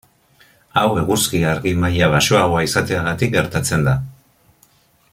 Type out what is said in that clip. Hau eguzki argi maila baxuagoa izateagatik gertatzen da.